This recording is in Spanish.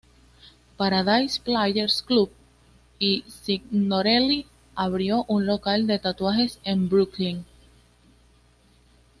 Paradise Players Club" y Signorelli abrió un local de tatuajes en Brooklyn.